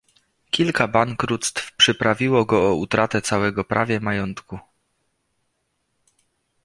"Kilka bankructw przyprawiło go o utratę całego prawie majątku."